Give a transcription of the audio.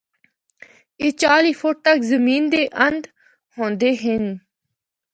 اے چالی فٹ تک زمین دے اند ہوندے ہن۔